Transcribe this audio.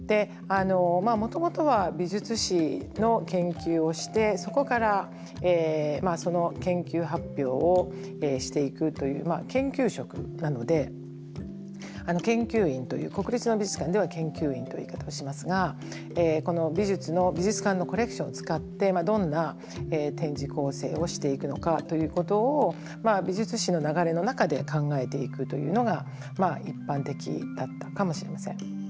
もともとは美術史の研究をしてそこからその研究発表をしていくという研究職なので研究員という国立の美術館では研究員という言い方をしますがこの美術の美術館のコレクションを使ってどんな展示構成をしていくのかということを美術史の流れの中で考えていくというのが一般的だったかもしれません。